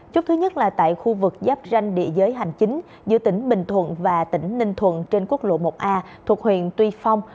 chút thứ nhất là tại khu vực giáp ranh địa giới hành chính giữa tỉnh bình thuận và tỉnh ninh thuận trên quốc lộ một a thuộc huyện tuy phong